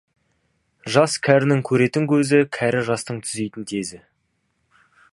Жас — кәрінің көретін көзі, кәрі — жастың түзейтін тезі.